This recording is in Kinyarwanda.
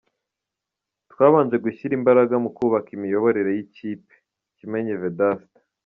Twabanje gushyira imbaraga mu kubaka imiyoborere y’ikipe-Kimenyi Vedaste.